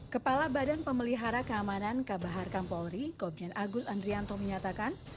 kepala badan pemelihara keamanan kabaharkam polri komjen agus andrianto menyatakan